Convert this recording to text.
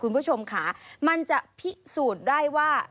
คุณผู้ชมค่ะมันจะพิสูจน์ได้ว่า